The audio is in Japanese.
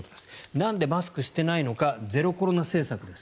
なんでマスクしていないのかゼロコロナ政策です。